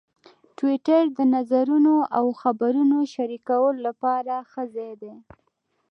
ټویټر د نظرونو او خبرونو شریکولو لپاره ښه ځای دی.